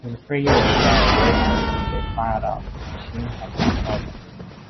When Frio and Kyaro wake up, they find out the machine has been stolen.